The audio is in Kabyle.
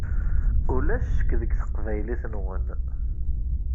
Ulac ccek deg teqbaylit-nwen.